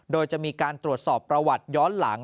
โดยจะมีการตรวจสอบประวัติย้อนหลัง